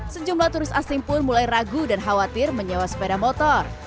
sejumlah turis asing pun mulai ragu dan khawatir menyewa sepeda motor